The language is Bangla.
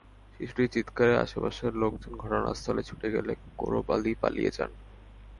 শিশুটির চিৎকারে আশপাশের লোকজন ঘটনাস্থলে ছুটে গেলে কোরব আলী পালিয়ে যান।